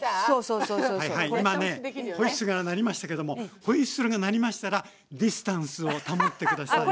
ホイッスルが鳴りましたけれどもホイッスルが鳴りましたらディスタンスを保って下さいね。